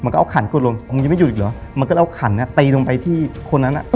มันก็เอาขันกดลงมันก็เอาขันตีลงไปที่คนนั้น